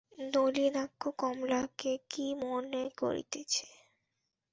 নলিনাক্ষ কমলাকে কী মনে করিতেছে?